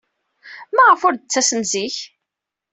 Maɣef ur d-tettasem zik?